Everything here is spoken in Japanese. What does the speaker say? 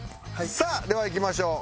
さあではいきましょう。